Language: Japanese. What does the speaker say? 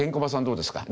どうですか？